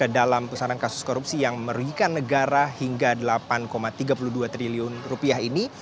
dalam pesanan kasus korupsi yang merugikan negara hingga delapan tiga puluh dua triliun rupiah ini